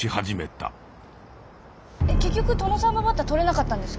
結局トノサマバッタとれなかったんですか？